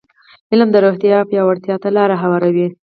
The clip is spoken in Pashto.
علم د روغتیا پیاوړتیا ته لاره هواروي.